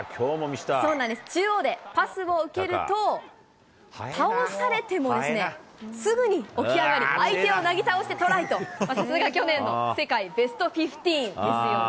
そうなんです、中央でパスを受けると、倒されてもですね、すぐに起き上がり、相手をなぎ倒してトライと、さすが去年の世界ベストフィフティーンですよね。